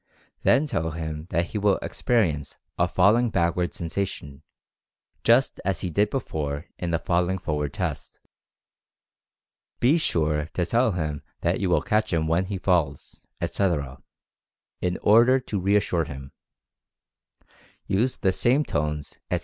Then tell him that he will experience a "falling backward" sensation, just as he did before in the "falling forward" test. Be sure to tell him that you will catch him when he falls, etc., in order to reassure him. Use the same tones, etc.